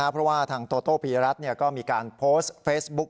เพราะว่าทางโตโต้ปียรัฐก็มีการโพสต์เฟซบุ๊ก